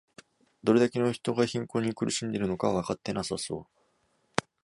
どれだけの人が貧困に苦しんでいるのかわかってなさそう